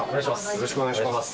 よろしくお願いします。